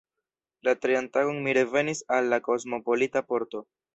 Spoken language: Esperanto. La trian tagon mi revenis al la kosmopolita Porto.